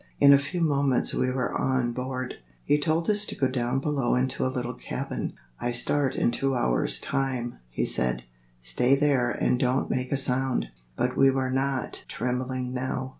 In a few moments we were on board. He told us to go down below into a little cabin. "I start in two hours' time," he said; "stay there and don't make a sound." But we were not trembling now.